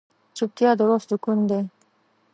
چوپتیا، د روح سکون دی.